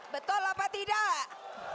betul apa tidak